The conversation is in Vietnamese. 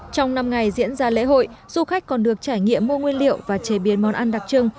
trong năm ngày diễn ra lễ hội du khách còn được trải nghiệm mua nguyên liệu và chế biến món ăn đặc trưng